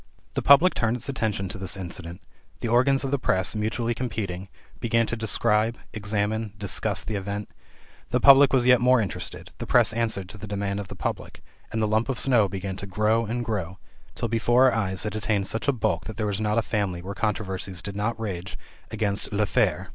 The public turned its attention to this incident, the organs of the press, mutually competing, began to describe, examine, discuss the event; the public was yet more interested; the press answered to the demand of the public, and the lump of snow began to grow and grow, till before our eyes it attained such a bulk that there was not a family where controversies did not rage about "l'affaire."